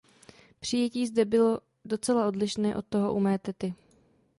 Přijetí zde bylo docela odlišné od toho u mé tety.